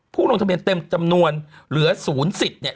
ลงทะเบียนเต็มจำนวนเหลือ๐สิทธิ์เนี่ย